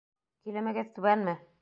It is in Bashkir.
Килемегеҙ түбәнме?